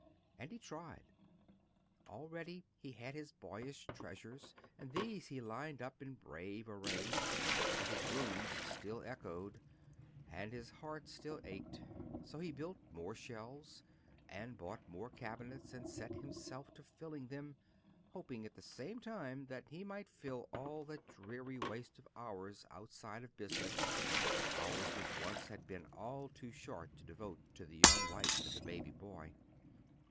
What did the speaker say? And he tried. Already he had his boyish treasures, and these he lined up in brave array, but his rooms still echoed, and his heart still ached; so he built more shelves and bought more cabinets, and set himself to filling them, hoping at the same time that he might fill all that dreary waste of hours outside of business hours which once had been all too short to devote to the young wife and the baby boy.